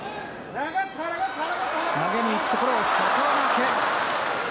投げにいくところを外掛け。